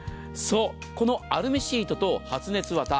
このアルミシートと発熱わた